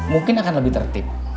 mungkin akan lebih tertib